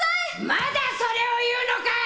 まだそれを言うのかい。